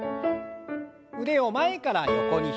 腕を前から横に開いて。